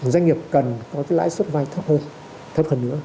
doanh nghiệp cần có cái lãi suất vai thấp hơn thấp hơn nữa